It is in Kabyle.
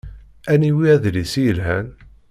Aniwi adlis i yelhan?